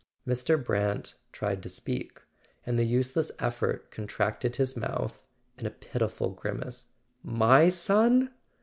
Mr. Brant tried to speak, and the useless effort con¬ tracted his mouth in a pitiful grimace. "My son?"